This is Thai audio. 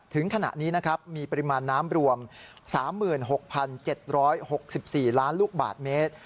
ถึงขณะนี้นะครับมีปริมาณน้ำรวม๓๖๗๖๔ล้านลูกบาทเมตร